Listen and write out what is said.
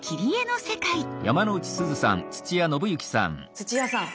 土屋さん